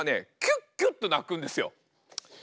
キュッキュッと鳴くんですよ。